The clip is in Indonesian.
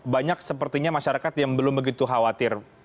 banyak sepertinya masyarakat yang belum begitu khawatir